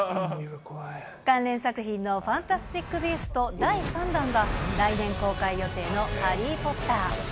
関連作品のファンタスティック・ビースト第３弾は来年公開予定のハリー・ポッター。